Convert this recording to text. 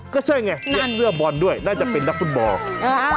ก็ใช่ไงเปลี่ยนเสื้อบอลด้วยน่าจะเป็นนักฟุตบอล